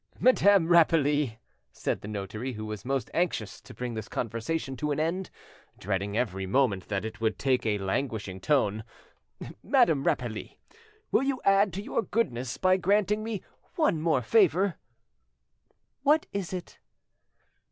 "Madame Rapally," said the notary, who was most anxious to bring this conversation to an end, dreading every moment that it would take a languishing tone, "Madame Rapally, will you add to your goodness by granting me one more favour?" "What is it?"